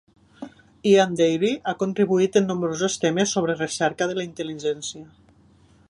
Ian Deary ha contribuït en nombrosos temes sobre recerca de la intel·ligència.